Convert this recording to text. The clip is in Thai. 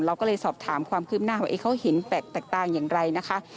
เราก็เลยสอบถามความคืบหน้าว่าเขาเห็นแปลกแตกต่างอย่างไรนะคะ